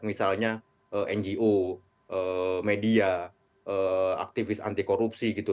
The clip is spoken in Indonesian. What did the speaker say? misalnya ngo media aktivis anti korupsi gitu